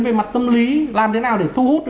về mặt tâm lý làm thế nào để thu hút